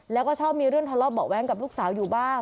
แล้วก็ชอบมีเรื่องทะเลาะเบาะแว้งกับลูกสาวอยู่บ้าง